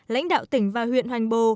lãnh đạo tỉnh và huyện hoành bồ